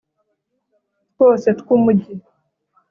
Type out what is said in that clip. Twose tw umugi